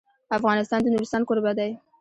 افغانستان د نورستان کوربه دی.